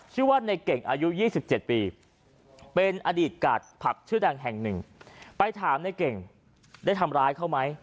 ชื่อว่าในเก่งอายุ๒๗ปีเป็นอดีตกาดผับชื่อดังแห่งหนึ่งไปถามในเก่งได้ทำร้ายเขาไหม